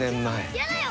やだよ！